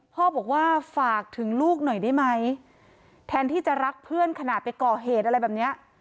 พ่อบอกว่าฝากถึงลูกหน่อยได้ไหมแทนที่จะรักเพื่อนขนาดไปก่อเหตุอะไรแบบเนี้ย